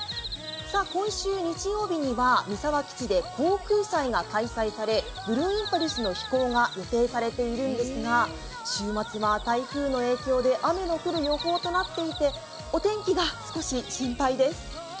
今週日曜日には三沢基地で航空祭が開催されブルーインパルスの飛行が予定されているんですが、週末は台風の影響で雨の降る予報となっていてお天気が少し心配です。